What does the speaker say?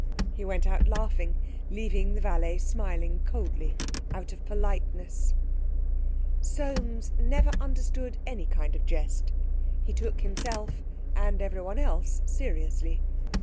He went out laughing, leaving the valet smiling coldly out of politeness. Soames never understood any kind of jest. He took himself and everyone else seriously.